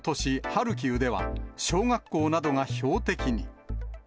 ハルキウでは、小学校などが標的に。